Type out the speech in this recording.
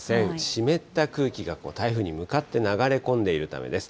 湿った空気が台風に向かって流れ込んでいるためです。